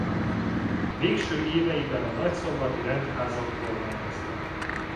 Végső éveiben a nagyszombati rendházat kormányozta.